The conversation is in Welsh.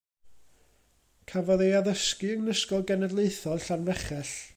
Cafodd ei addysgu yn Ysgol Genedlaethol Llanfechell.